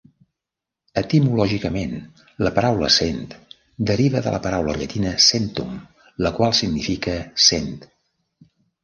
Etimològicament, la paraula "cent" deriva de la paraula llatina "centum", la qual significa "cent".